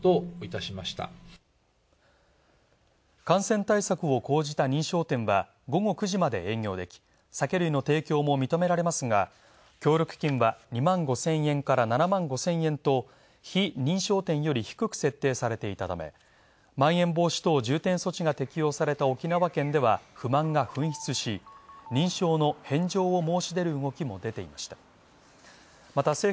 感染対策を講じた認証店は、午後９時まで営業でき酒類の提供も認められますが、協力金は２万５０００円から７万５０００円と非認証より低く設定されていたため、まん延防止等重点措置が適用された沖縄県では不満が噴出し認証の返上を申し出る動きも出ていました。